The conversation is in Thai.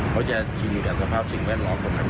เขาจะชินอยู่กับสภาพสิ่งแวดล้อมตรงไหน